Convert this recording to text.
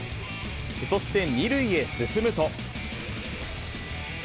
そして２塁へ進むと。